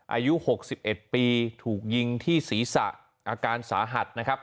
อายุ๖๑ปีถูกยิงที่ศีรษะอาการสาหัสนะครับ